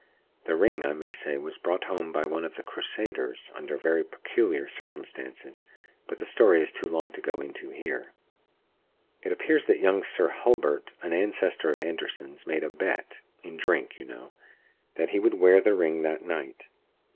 The ring, I may say, was brought home by one of the Crusaders, under very peculiar circumstances; but the story is too long to go into here. "It appears that young Sir Hulbert, an ancestor of Anderson's, made a bet, in drink, you know, that he would wear the ring that night.